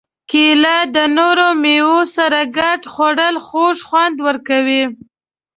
کېله د نورو مېوو سره ګډه خوړل خوږ خوند ورکوي.